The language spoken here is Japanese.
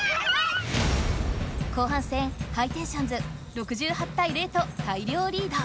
後半戦ハイテンションズ６８たい０と大りょうリード！